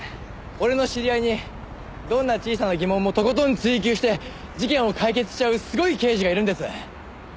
俺の知り合いにどんな小さな疑問もとことん追及して事件を解決しちゃうすごい刑事がいるんです。